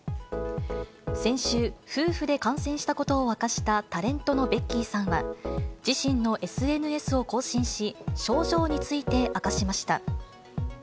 先週、夫婦で感染したことを明かしたタレントのベッキーさんは、自身のＳＮＳを更新し、症状について明かしました。